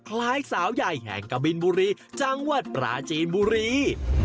คล้ายสาวใหญ่แห่งกะบินบุรีจังหวัดปราจีนบุรี